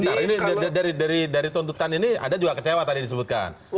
nanti dari tuntutan ini ada juga kecewa tadi disebutkan